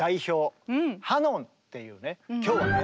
今日はね